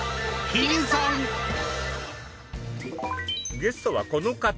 ゲストはこの方。